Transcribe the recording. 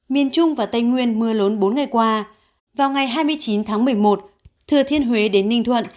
miền trung và tây nguyên mưa lớn bốn ngày qua vào ngày hai mươi chín tháng một mươi một thừa thiên huế đến ninh thuận